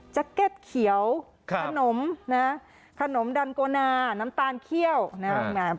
เก็ตเขียวขนมนะขนมดันโกนาน้ำตาลเขี้ยวนะฮะ